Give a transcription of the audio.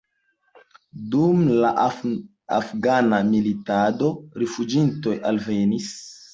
Dum la afgana militado rifuĝintoj alvenis.